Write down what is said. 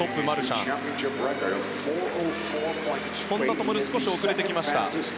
本多灯、少し遅れてきました。